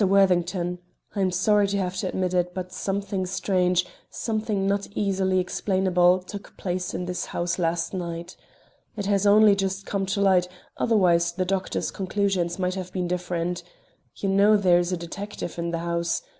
Worthington, I am sorry to have to admit it, but something strange, something not easily explainable, took place in this house last night. It has only just come to light; otherwise, the doctors' conclusions might have been different. You know there is a detective in the house.